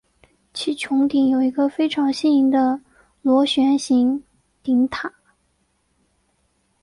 其穹顶有一个非常新颖的螺旋形顶塔。